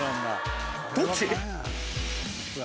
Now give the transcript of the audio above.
どっち？